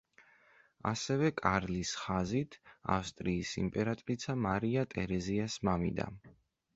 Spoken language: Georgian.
ასევე კარლის ხაზით, ავსტრიის იმპერატრიცა მარია ტერეზიას მამიდა.